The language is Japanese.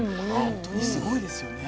本当にすごいですよね。